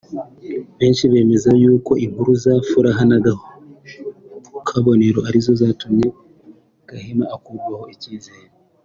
Benshi bemeza yuko inkuru za Furaha na Kabonero arizo zatumye Gahima akurwaho icyizere